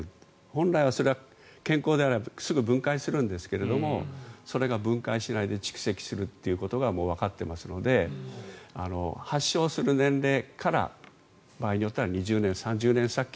本来は、それは健康であればすぐ分解するんですけれどもそれが分解しないで蓄積するっていうことがもうわかっていますので発症する年齢からいったら２０年、３０年先。